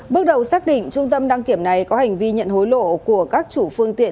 bước đầu xác định trung tâm đăng kiểm này có hành vi nhận hối lộ của các chủ phương tiện